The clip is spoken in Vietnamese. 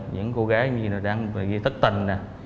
những cô gái đang gây thất tình